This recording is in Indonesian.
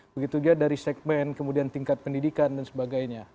begitu juga dari segmen kemudian tingkat pendidikan dan sebagainya